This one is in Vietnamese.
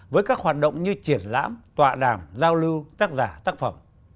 với các hoạt động như triển lãm tọa đàm giao lưu tác giả tác phẩm